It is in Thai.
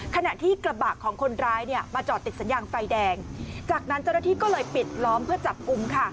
ขณะที่กระบะของคนร้ายเนี่ยมาจอดติดสัญญาณไฟแดงจากนั้นเจ้าหน้าที่ก็เลยปิดล้อมเพื่อจับกลุ่มค่ะ